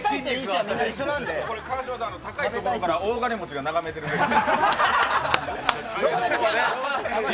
川島さん、高いところから大金持ちが眺めてるんですか？